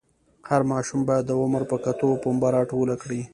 هر ماشوم باید د عمر په کتو پنبه راټوله کړي.